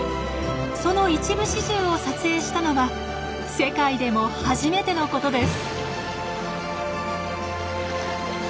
その一部始終を撮影したのは世界でも初めてのことです。